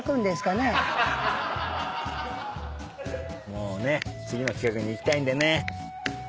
もうね次の企画にいきたいんでね。